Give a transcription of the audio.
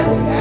a c kuadrat